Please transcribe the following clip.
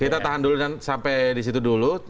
kita tahan dulu sampai disitu dulu